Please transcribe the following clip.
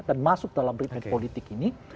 dan masuk dalam berpikir politik ini